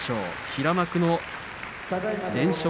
平幕の連勝